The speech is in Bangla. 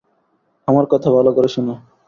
আমার কথা ভালো করে শোন।